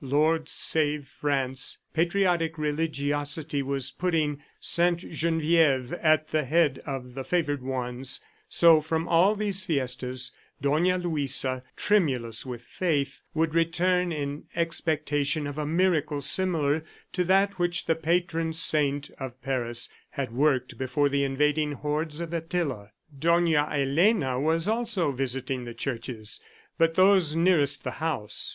"Lord, save France!" Patriotic religiosity was putting Sainte Genevieve at the head of the favored ones, so from all these fiestas, Dona Luisa, tremulous with faith, would return in expectation of a miracle similar to that which the patron saint of Paris had worked before the invading hordes of Attila. Dona Elena was also visiting the churches, but those nearest the house.